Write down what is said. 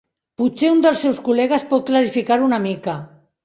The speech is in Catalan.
Potser un dels seus col·legues pot clarificar-ho una mica.